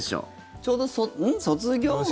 ちょうど卒業式。